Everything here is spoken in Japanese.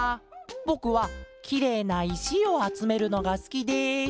ぼくはきれいないしをあつめるのがすきです」。